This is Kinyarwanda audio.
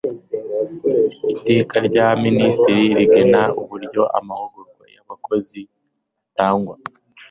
iteka rya minisitiri rigena uburyo amahugurwa y abakozi atangwa